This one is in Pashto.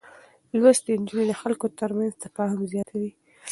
لوستې نجونې د خلکو ترمنځ تفاهم زياتوي.